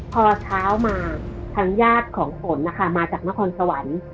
พอเช้ามาทางญาติของฝนนะคะมาจากนครสวรรค์